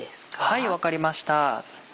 はい分かりました。